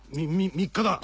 ３日だ！